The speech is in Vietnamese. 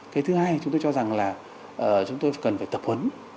cái thứ hai chúng tôi cho rằng là chúng tôi cần phải tập huấn